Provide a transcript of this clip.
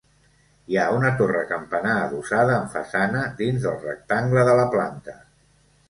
Hi ha una torre campanar adossada amb façana dins del rectangle de la planta.